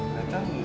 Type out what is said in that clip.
gak tau dulu